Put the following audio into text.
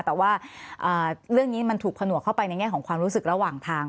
แต่ว่าเรื่องนี้มันถูกผนวกเข้าไปในแง่ของความรู้สึกระหว่างทาง